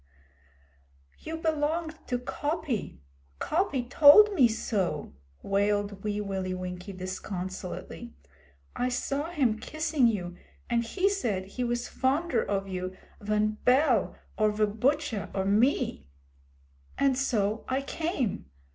'You belonged to Coppy. Coppy told me so!' wailed Wee Willie Winkie disconsolately. 'I saw him kissing you, and he said he was fonder of you van Bell or ve Butcha or me. And so I came.